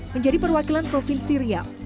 menjadi perwakilan provinsi riau